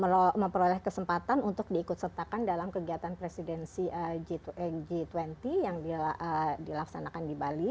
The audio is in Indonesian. kita memperoleh kesempatan untuk diikut sertakan dalam kegiatan presidensi g dua puluh yang dilaksanakan di bali